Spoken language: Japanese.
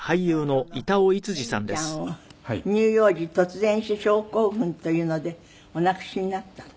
長女の英美ちゃんを乳幼児突然死症候群というのでお亡くしになったって。